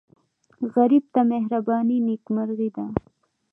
غریب ته مهرباني نیکمرغي ده